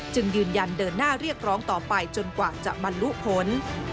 จึงยืนยันเดินหน้าเรียกร้องต่อไปจนกว่าจะบรรลุผล